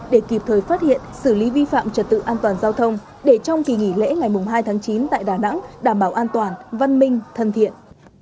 để kịp thời phát hiện xử lý vi phạm trật tự an toàn giao thông để trong kỳ nghỉ lễ ngày hai tháng chín tại đà nẵng đảm bảo an toàn văn minh thân thiện